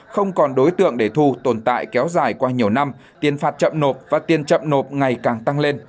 không còn đối tượng để thu tồn tại kéo dài qua nhiều năm tiền phạt chậm nộp và tiền chậm nộp ngày càng tăng lên